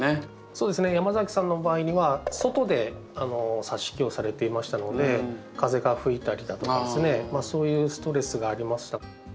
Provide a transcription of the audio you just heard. そうですね山崎さんの場合には外でさし木をされていましたので風が吹いたりだとかですねそういうストレスがありました。